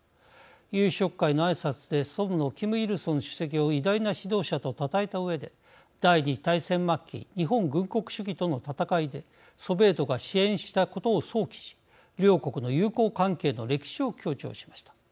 夕食会のあいさつで祖父のキム・イルソン主席を偉大な指導者とたたえたうえで第二次大戦末期日本軍国主義との戦いでソビエトが支援したことを想起し両国の友好関係の歴史を強調しました。